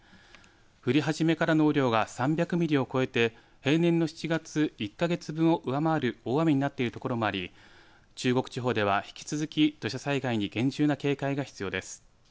降り始めからの雨量が３００ミリを超えて平年の７月１か月分を上回る大雨になっている所もあり中国地方では引き続き土砂災害に厳重な警戒が必要です。